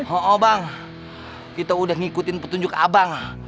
oh bang kita udah ngikutin petunjuk abang